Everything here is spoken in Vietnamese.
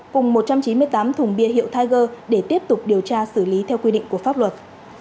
cùng một trăm chín mươi tám thùng bia hiệu tháiger để tiếp tục điều tra xử lý theo quy định của pháp luật